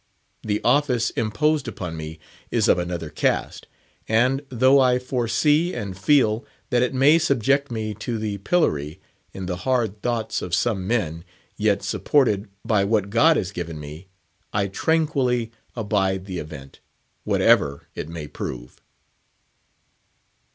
The office imposed upon me is of another cast; and, though I foresee and feel that it may subject me to the pillory in the hard thoughts of some men, yet, supported by what God has given me, I tranquilly abide the event, whatever it may prove.